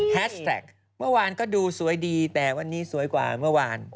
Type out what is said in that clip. แท็กเมื่อวานก็ดูสวยดีแต่วันนี้สวยกว่าเมื่อวาน